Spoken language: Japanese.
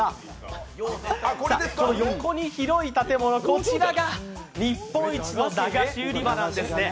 横に広い建物、こちらが日本一のだがし売場なんですね。